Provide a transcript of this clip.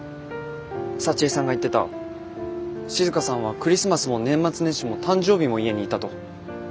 幸江さんが言ってた静さんはクリスマスも年末年始も誕生日も家にいたと。